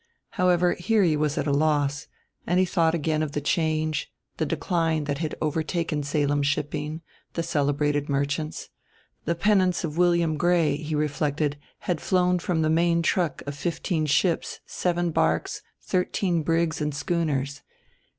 However, here he was at a loss, and he thought again of the change, the decline, that had overtaken Salem shipping, the celebrated merchants; the pennants of William Gray, he reflected, had flown from the main truck of fifteen ships, seven barques, thirteen brigs and schooners.